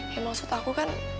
ya maksud aku kan